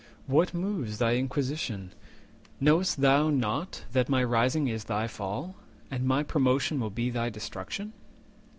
What moves thy inquisition? 200 Know'st thou not that my rising is thy fall, And my promotion will be thy destruction?"